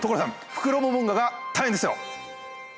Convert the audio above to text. フクロモモンガが大変ですよ。